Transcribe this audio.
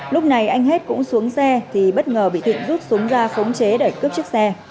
lúc này anh hết cũng xuống xe thì bất ngờ bị thịnh rút súng ra khống chế để cướp chiếc xe